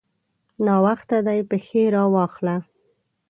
ناوخته دی؛ پښې راواخله.